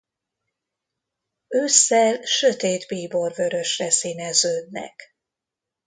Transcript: Ősszel sötét bíborvörösre színeződnek.